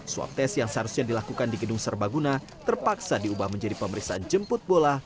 swab tes yang seharusnya dilakukan di gedung serbaguna terpaksa diubah menjadi pemeriksaan jemput bola